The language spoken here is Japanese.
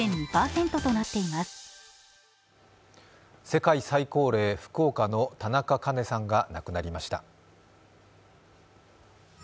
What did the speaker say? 世界最高齢、福岡の田中カ子さんが亡くなりました。